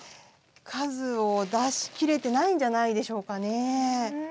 数を出しきれてないんじゃないでしょうかねえ。